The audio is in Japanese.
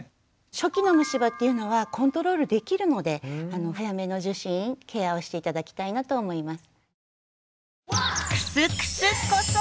初期の虫歯っていうのはコントロールできるので早めの受診ケアをして頂きたいなと思います。